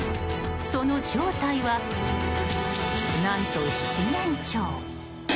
その正体は、何と七面鳥。